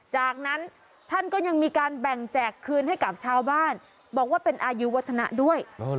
จากนั้นท่านก็ยังมีการแบ่งแจกคืนให้กับชาวบ้านบอกว่าเป็นอายุวัฒนะด้วย